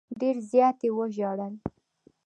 ډېر زیات یې وژړل.